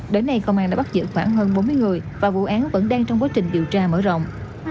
đến nay công an đã bắt giữ khoảng hơn bốn mươi người và vụ án vẫn đang trong quá trình điều tra mở rộng